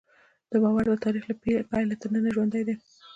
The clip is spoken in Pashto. دا باور د تاریخ له پیله تر ننه ژوندی دی.